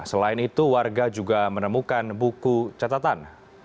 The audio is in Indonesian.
selain itu warga juga menemukan buku catatan